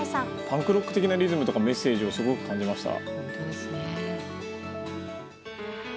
パンクロック的なリズムとかメッセージをすごく感じました。